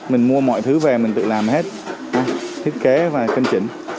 mình mua mọi thứ về mình tự làm hết thiết kế và kinh chỉnh